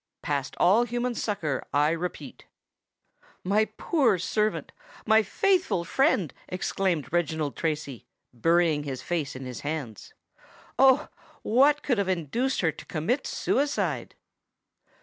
"Past all human succour, I repeat." "My poor servant—my faithful friend," exclaimed Reginald Tracy, burying his face in his hands: "Oh! what could have induced her to commit suicide?"